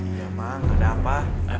ya bang ada apa